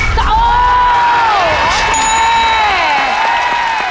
โอ้โหโอเค